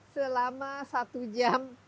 selama satu jam